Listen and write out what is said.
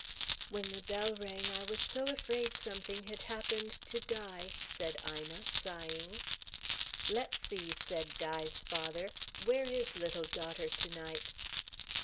"When the bell rang, I was so afraid something had happened to Di," said Ina sighing. "Let's see," said Di's father. "Where is little daughter to night?"